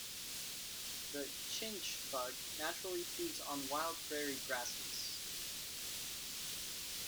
The chinch bug naturally feeds on wild prairie grasses.